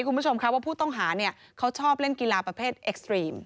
คุณผู้ชมค่ะว่าผู้ต้องหาเนี่ยเขาชอบเล่นกีฬาประเภทเอ็กซ์ตรีม